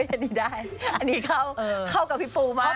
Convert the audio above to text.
อันนี้ได้อันนี้เขากับพี่ปูมาก